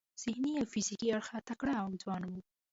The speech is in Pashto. ذهني او فزیکي اړخه تکړه او ځوان وي.